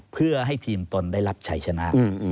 เพื่อให้ทีมตนได้รับชัยชนะ